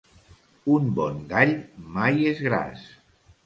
Un bon gall mai és gras.